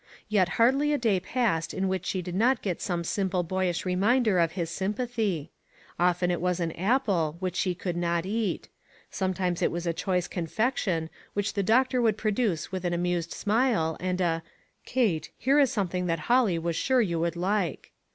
Yet hardly a day passed in which she did not get some simple boyish reminder of his sympathy. Often it was an apple, which she could not eat ; sometimes it was a choice confection, which \ QISCIPLINE. 353 the doctor would produce with an amused smile and a —" Kate, here is something that Holly was sure you would like."